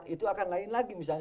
itu akan lain lagi misalnya